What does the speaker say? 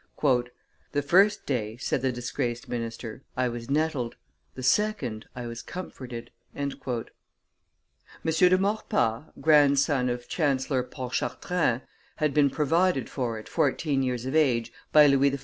"The first day," said the disgraced minister, "I was nettled; the second, I was comforted." M. de Maurepas, grandson of Chancellor Pontchartrain, had been provided for, at fourteen years of age, by Louis XIV.